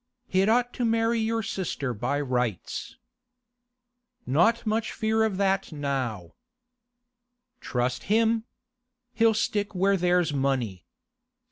He'd ought to marry your sister by rights.' 'Not much fear of that now.' 'Trust him! He'll stick where there's money.